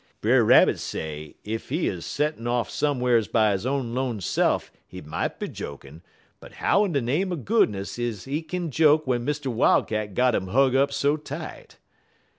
Brer Rabbit say ef he 'uz settin' off some'rs by he own 'lone se'f he mought be jokin', but how de name er goodness is he kin joke w'en Mr. Wildcat got 'im hug up so tight?